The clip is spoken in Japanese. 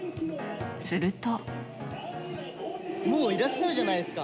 すると。